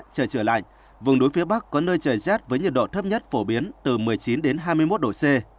trời trời lạnh vùng đuối phía bắc có nơi trời rét với nhiệt độ thấp nhất phổ biến từ một mươi chín hai mươi một độ c